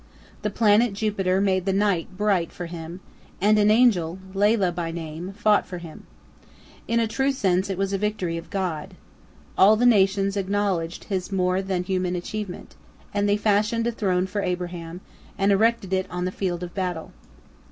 The planet Jupiter made the night bright for him, and an angel, Lailah by name, fought for him. In a true sense, it was a victory of God. All the nations acknowledged his more than human achievement, and they fashioned a throne for Abraham, and erected it on the field of battle.